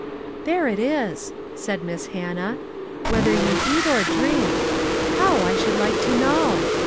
" There it is !" said Miss Hannah, " whether ye eat or drink. How, I should like to know